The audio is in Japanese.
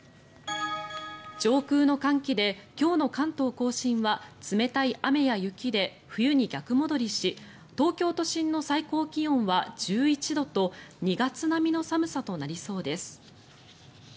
上空の寒気で今日の関東・甲信は冷たい雨や雪で冬に逆戻りし東京都心の最高気温は１１度と２月並みの寒さとなりそうです。